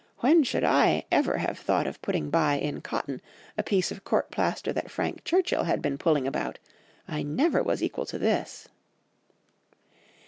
when should I ever have thought of putting by in cotton a piece of court plaister that Frank Churchill had been pulling about! I never was equal to this.